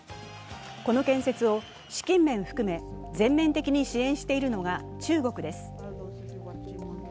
この建設を資金面含め全面的に支援しているのが中国です。